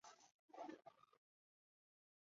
在主申请人的外籍劳工移民申请。